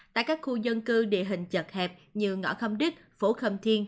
tại các khu dân cư địa hình chật hẹp như ngõ khâm đích phố khâm thiên